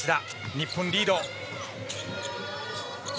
日本リード。